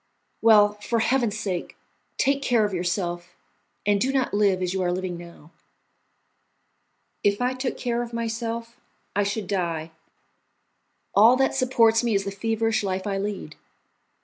Well, for Heaven's sake, take care of yourself, and do not live as you are living now." "If I took care of myself I should die. All that supports me is the feverish life I lead.